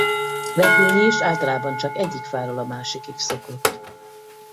Repülni is általában csak egyik fáról a másikig szokott.